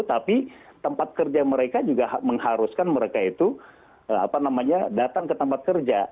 tapi tempat kerja mereka juga mengharuskan mereka itu datang ke tempat kerja